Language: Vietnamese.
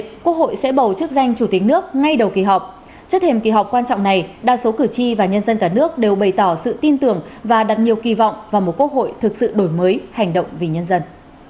trước thềm kỳ họp quan trọng này đa số cử tri và nhân dân cả nước đều bày tỏ sự tin tưởng và đặt nhiều kỳ vọng vào một quốc hội thực sự đổi mới hành động vì nhân dân